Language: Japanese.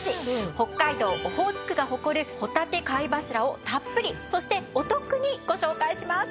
北海道オホーツクが誇るほたて貝柱をたっぷりそしてお得にご紹介します。